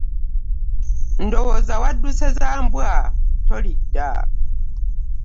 Ndowooza wadduse za mbwa tolidda.